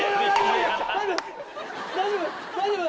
大丈夫！？